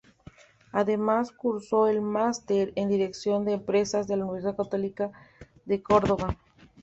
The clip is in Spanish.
Además cursó el Master en Dirección de Empresas de la Universidad Católica de Córdoba.